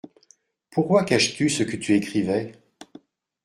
Pourquoi caches-tu ce que tu écrivais ?